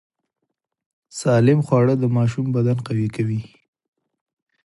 سالم خواړه د ماشوم بدن قوي کوي۔